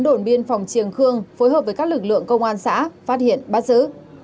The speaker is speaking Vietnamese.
đồn biên phòng triềng khương phối hợp với các lực lượng công an xã phát hiện bắt giữ